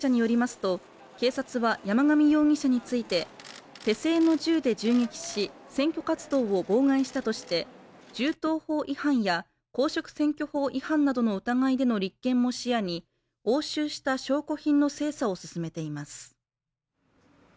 捜査関係者によりますと警察は山上容疑者について手製の銃で銃撃し選挙活動を妨害したとして銃刀法違反や公職選挙法違反などの疑いでの立件も視野に押収した証拠品の精査を進めています。